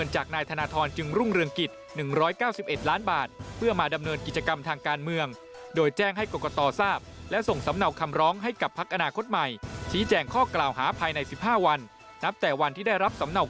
เจาะประเด็นจากรายงานครับ